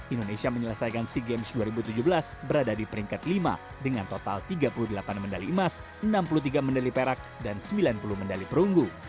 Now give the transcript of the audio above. indonesia menyelesaikan sea games dua ribu tujuh belas berada di peringkat lima dengan total tiga puluh delapan medali emas enam puluh tiga medali perak dan sembilan puluh medali perunggu